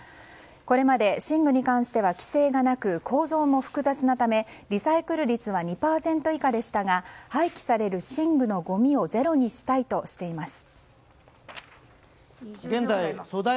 これまで寝具に関しては規制がなく構造も複雑なためリサイクル率は２％以下でしたが廃棄される寝具のごみをゼロにしたいとしています。